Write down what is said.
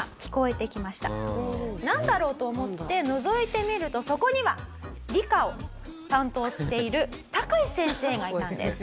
「なんだろう？」と思ってのぞいてみるとそこには理科を担当しているタカシ先生がいたんです。